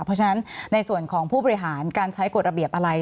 เพราะฉะนั้นในส่วนของผู้บริหารการใช้กฎระเบียบอะไร